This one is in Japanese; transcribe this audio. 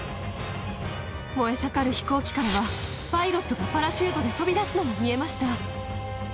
燃え盛る飛行機からはパイロットがパラシュートで飛び出すのが見えました。